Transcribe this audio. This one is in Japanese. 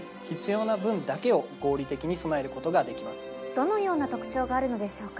どのような特長があるのでしょうか？